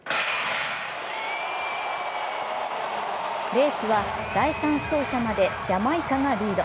レースは第３走者までジャマイカがリード。